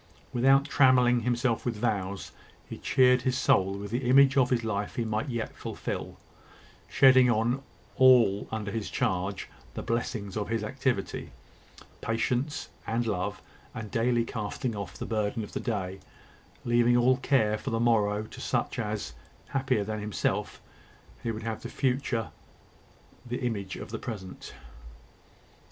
Without trammelling himself with vows, he cheered his soul with the image of the life he might yet fulfil, shedding on all under his charge the blessings of his activity, patience, and love; and daily casting off the burden of the day, leaving all care for the morrow to such as, happier than himself, would have the future the image of the present.